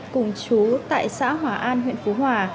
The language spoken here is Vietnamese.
cùng chú tại xã hòa an huyện phú hòa